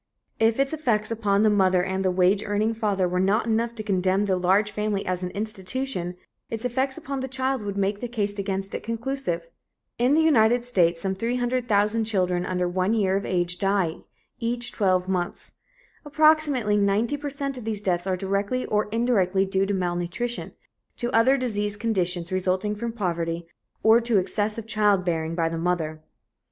If its effects upon the mother and the wage earning father were not enough to condemn the large family as an institution, its effects upon the child would make the case against it conclusive. In the United States, some 300,000 children under one year of age die each twelve months. Approximately ninety per cent of these deaths are directly or indirectly due to malnutrition, to other diseased conditions resulting from poverty, or to excessive childbearing by the mother.